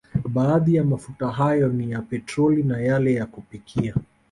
Baadhi ya mafuta hayo ni petroli na yale ya kupikia